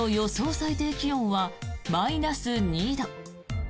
最低気温はマイナス２度。